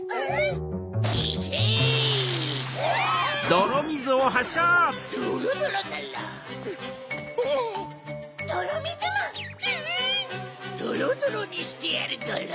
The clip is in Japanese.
ドロドロにしてやるドロ。